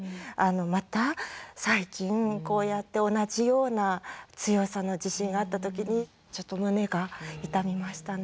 また最近こうやって同じような強さの地震があった時にちょっと胸が痛みましたね。